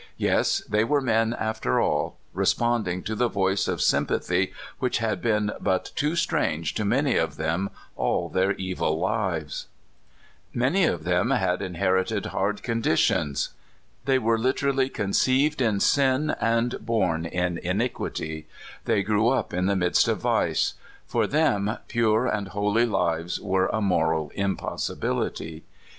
Yes, they w^ere men, after all, responding to the voice of sympa thy, which had been but too strange to many of them all their evil lives. Many of them had inher ited hard conditions; they were literally conceived "Many hands xi'crr extruded to i^rasp mine."' (173) SAN QUENTIN. 175 in sin and born in iniquity; they grew up in the midst of vice. For them, pure and holy hves were a moral impossibility.